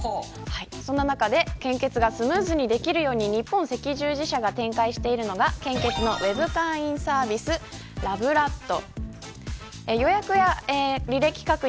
そんな中で献血がスムーズにできるように日本赤十字社が展開しているのが献血のウェブ会員サービスラブラッド。